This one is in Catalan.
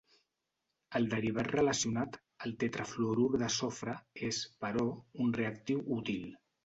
El derivat relacionat, el tetrafluorur de sofre, és, però, un reactiu útil.